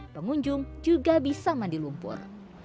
pengunjung juga bisa mandi lumpur